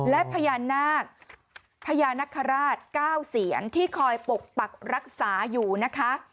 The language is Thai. และพญานาคพญานคราช๙เสียนที่คอยปกปักรักษาอยู่นะคะ